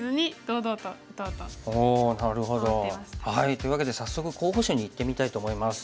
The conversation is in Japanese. というわけで早速候補手にいってみたいと思います。